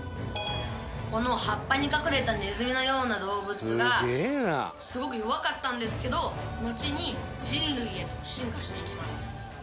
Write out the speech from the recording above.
この葉っぱに隠れたネズミのような動物がすごく弱かったんですけどのちに人類へと進化していきます。